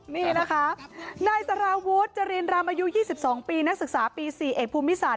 นี่นะคะนายสารวุฒิจรินรำอายุ๒๒ปีนักศึกษาปี๔เอกภูมิศาสต